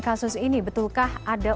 kasus ini betulkah ada